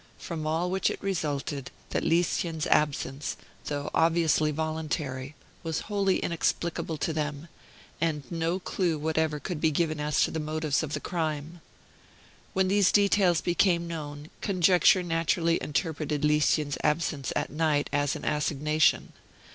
From all which it resulted that Lieschen's absence, though obviously voluntary, was wholly inexplicable to them; and no clew whatever could be given as to the motives of the crime. When these details became known, conjecture naturally interpreted Lieschen's absence at night as an assignation.